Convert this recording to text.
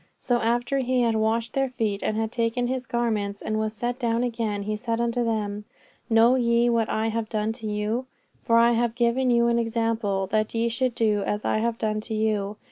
So after He had washed their feet, and had taken His garments and was set down again, He said unto them, "Know ye what I have done to you? For I have given you an example, that ye should do as I have done to you.